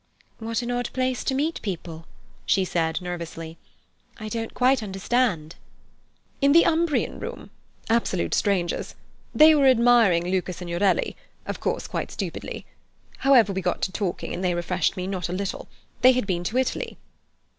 "What an odd place to meet people!" she said nervously. "I don't quite understand." "In the Umbrian Room. Absolute strangers. They were admiring Luca Signorelli—of course, quite stupidly. However, we got talking, and they refreshed me not a little. They had been to Italy."